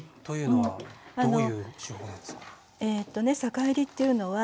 はい。